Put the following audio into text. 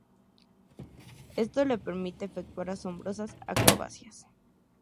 Esto le permite efectuar asombrosas acrobacias.